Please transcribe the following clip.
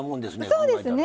そうですね。